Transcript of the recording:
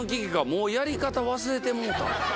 もうやり方忘れてもうた」。